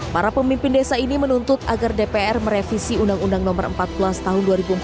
para pemimpin desa ini menuntut agar dpr merevisi undang undang no empat belas tahun dua ribu empat belas